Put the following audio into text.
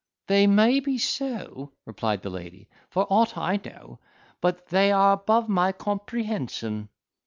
"They may be so," replied the lady, "for aught I know, but they are above my comprehension."